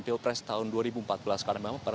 pilpres tahun dua ribu empat belas karena memang